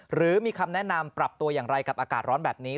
หรือมีคำแนะนำปรับตัวอย่างไรกับอากาศร้อนแบบนี้